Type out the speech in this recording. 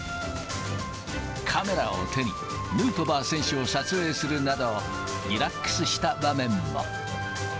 カメラを手に、ヌートバー選手を撮影するなど、リラックスした場面も。